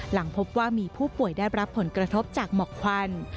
หลังพบว่ามีผู้ป่วยได้รับผลกระทบจากหมอกควัน